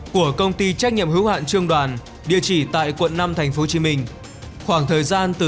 của công ty trách nhiệm hữu hạn trương đoàn địa chỉ tại quận năm tp hcm khoảng thời gian từ